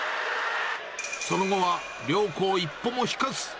その後は両校一歩も引かず。